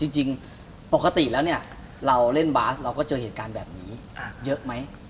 จริงปกติแล้วเนี่ยเราเล่นบาสเราก็เจอเหตุการณ์แบบนี้เยอะไหม